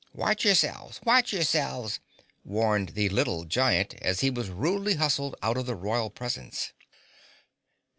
"Watch yourselves! Watch yourselves!" warned the little Giant as he was rudely hustled out of the royal presence.